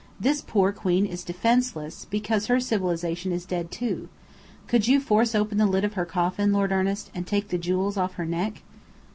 This poor queen is defenceless, because her civilization is dead, too. Could you force open the lid of her coffin, Lord Ernest, and take the jewels off her neck?"